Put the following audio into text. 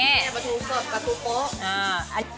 นี่จะเป็นปลาถูโปะ